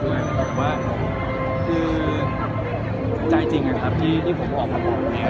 แต่ว่าคือใจจริงนะครับที่ผมออกมาบอกเนี่ย